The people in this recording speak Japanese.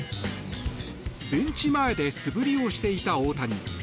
ベンチ前で素振りをしていた大谷。